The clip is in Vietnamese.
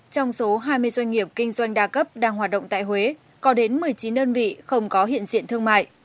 trong số hai mươi doanh nghiệp kinh doanh đa cấp đang hoạt động tại huế có đến một mươi chín đơn vị không có hiện diện thương mại